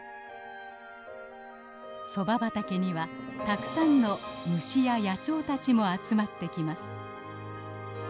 ソバ畑にはたくさんの虫や野鳥たちも集まってきます。